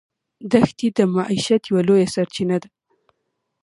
دښتې د معیشت یوه لویه سرچینه ده.